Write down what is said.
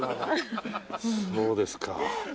そうですか。